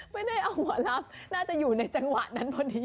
ไม่ได้เอาหมอลับน่าจะอยู่ในจังหวะนั้นพอดี